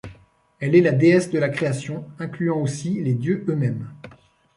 Elle est la déesse de la création, incluant aussi les dieux eux-mêmes.